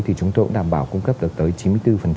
thì chúng tôi cũng đảm bảo cung cấp được tới chín mươi bốn